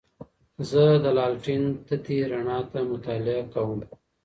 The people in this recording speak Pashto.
زه د لالټین تتې رڼا ته مطالعه کوم.